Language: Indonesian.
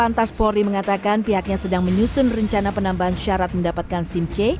pantas polri mengatakan pihaknya sedang menyusun rencana penambahan syarat mendapatkan simc